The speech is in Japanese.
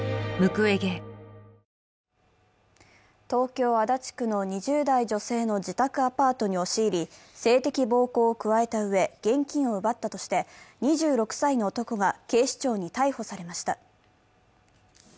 東京・足立区の２０代女性の自宅アパートに押し入り性的暴行を加えたうえ、現金を奪ったとして２６歳の男が警視庁に逮捕されました。